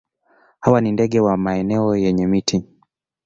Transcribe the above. Hawa ni ndege wa maeneo yenye miti.